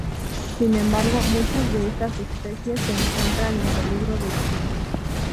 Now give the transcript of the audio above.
Sin embargo muchas de estas especies se encuentran en peligro de extinción.